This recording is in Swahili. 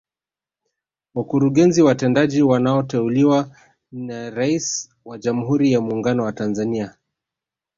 Wakurugenzi watendaji wanaoteuliwa na Rais wa Jamhuri ya Muungano wa Tanzania